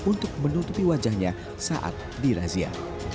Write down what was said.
untuk menutupi wajahnya saat dirazia